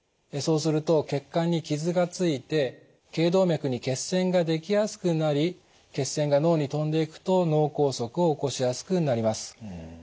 そうすると血管に傷がついて頸動脈に血栓ができやすくなり血栓が脳にとんでいくと脳梗塞を起こしやすくなります。